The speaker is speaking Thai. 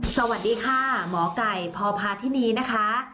สวัสดีค่ะหมอไก่พพาธินีนะคะ